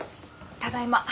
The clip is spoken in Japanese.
ただいま。